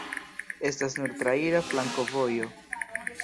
Estas nur traira flankovojo.